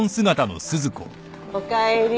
おかえり。